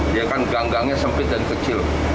dia kan gang gangnya sempit dan kecil